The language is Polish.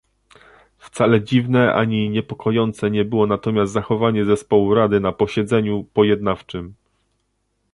Wcale dziwne ani niepokojące nie było natomiast zachowanie zespołu Rady na posiedzeniu pojednawczym